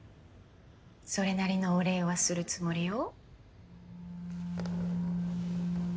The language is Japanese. それなりのお礼はするつもりよ